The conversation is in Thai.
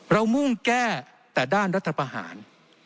มุ่งแก้แต่ด้านรัฐประหาร